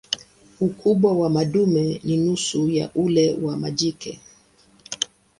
Ukubwa wa madume ni nusu ya ule wa majike.